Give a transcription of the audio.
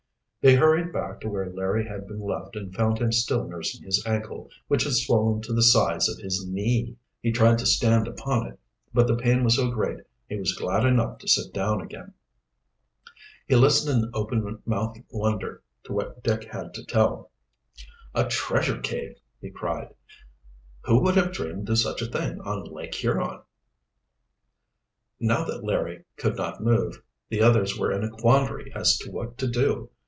They hurried back to where Larry had been left, and found him still nursing his ankle, which had swollen to the size of his knee. He tried to stand upon it, but the pain was so great he was glad enough to sit down again. He listened in open mouthed wonder to what Dick had to tell. "A treasure cave!" he cried. "Who would have dreamed of such a thing on Lake Huron!" Now that Larry could not move, the others were in a quandary as to what to do.